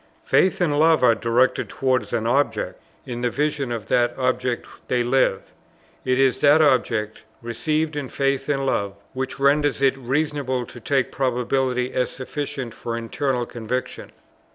Faith and love are directed towards an Object; in the vision of that Object they live; it is that Object, received in faith and love, which renders it reasonable to take probability as sufficient for internal conviction.